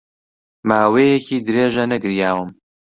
ماوەیەکی درێژە نەگریاوم.